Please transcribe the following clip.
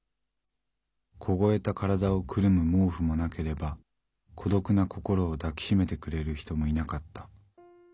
凍えた体をくるむ毛布もなければ孤独な心を抱きしめてくれる人もいなかった。